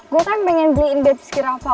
gue kan pengen beliin bebski rafa